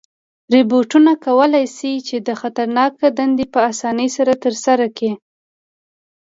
روبوټونه کولی شي چې خطرناکه دندې په آسانۍ سره ترسره کړي.